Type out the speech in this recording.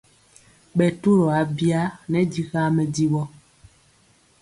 Ɓɛ turɔ abya nɛ dikaa mɛdivɔ.